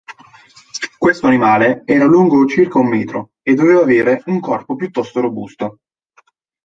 Questo animale era lungo circa un metro e doveva avere un corpo piuttosto robusto.